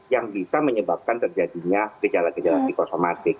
yang bisa menyebabkan terjadinya gejala gejala psikosomatik